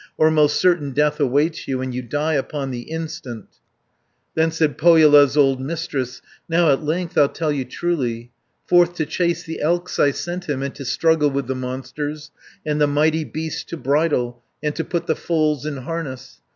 Or most certain death awaits you, And you die upon the instant." 100 Then said Pohjola's old Mistress, "Now at length I'll tell you truly. Forth to chase the elks I sent him, And to struggle with the monsters, And the mighty beasts to bridle, And to put the foals in harness.